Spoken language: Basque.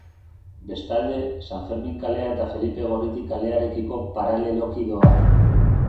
Bestalde, San Fermin kalea eta Felipe Gorriti kalearekiko paraleloki doa.